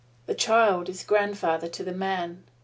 The child is grandfather to the man.